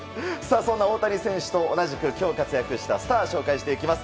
そんな大谷選手と同じく今日活躍したスターを紹介します。